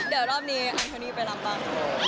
เดี๋ยวรอบนี้อัลทอนีไปรำป่ะ